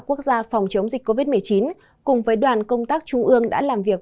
quốc gia phòng chống dịch covid một mươi chín cùng với đoàn công tác trung ương đã làm việc